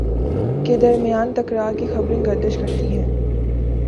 کے درمیان تکرار کی خبریں گردش کرتی ہیں